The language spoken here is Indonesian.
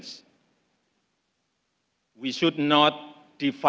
kita tidak harus memutuskan dunia